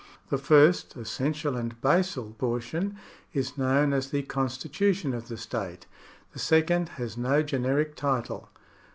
The first, essential, and basal portion is known as the con stitution of the state. The second has no generic title.